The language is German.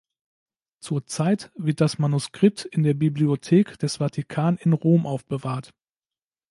Zurzeit wird das Manuskript in der Bibliothek des Vatikan in Rom aufbewahrt.